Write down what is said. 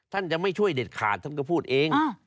ท่านจะไม่ช่วยเด็ดขาดท่านก็พูดเอง